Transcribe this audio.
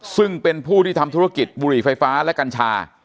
ซึ่งเป็นผู้ที่ทำธุรกิจบุหรี่ไฟฟ้าและกัญชา